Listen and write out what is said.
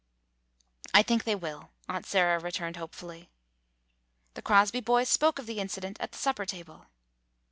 "I think they will," Aunt Sarah returned hopefully. The Crosby boys spoke of the incident at the supper table.